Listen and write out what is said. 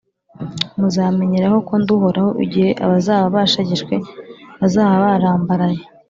Muzamenyeraho ko ndi Uhoraho, igihe abazaba bashegeshwe bazaba barambaraye